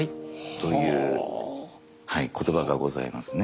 という言葉がございますね。